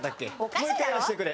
もう一回やらせてくれ。